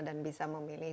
dan bisa memimpin